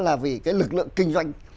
là vì cái lực lượng kinh doanh